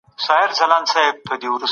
زه په رڼا کي د کتاب پاڼې اړوم.